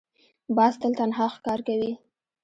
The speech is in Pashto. باز تل تنها ښکار کوي